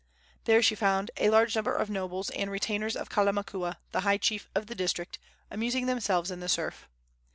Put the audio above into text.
There she found a large number of nobles and retainers of Kalamakua, the high chief of the district, amusing themselves in the surf.